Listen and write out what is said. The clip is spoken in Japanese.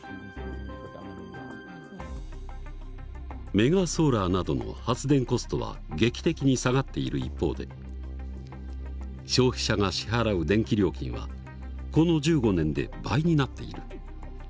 メガソーラーなどの発電コストは劇的に下がっている一方で消費者が支払う電気料金はこの１５年で倍になっている。